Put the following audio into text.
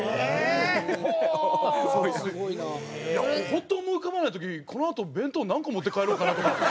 本当思い浮かばない時このあと弁当何個持って帰ろうかなとか。